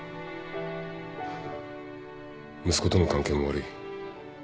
息子との関係も悪い。